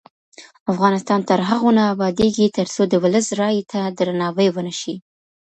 افغانستان تر هغو نه ابادیږي، ترڅو د ولس رایې ته درناوی ونشي.